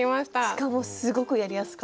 しかもすごくやりやすかった。